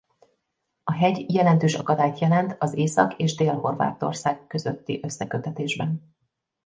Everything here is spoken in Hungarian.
A hegy jelentős akadályt jelent az Észak- és Dél-Horvátország közötti összeköttetésben.